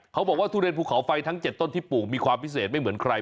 เขาบอกว่าทุเรียนภูเขาไฟทั้ง๗ต้นที่ปลูกมีความพิเศษไม่เหมือนใคร